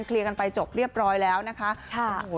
เคลียร์กันไปจบเรียบร้อยแล้วนะคะ